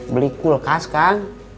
beli kulkas kang